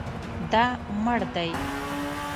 دا مړ دی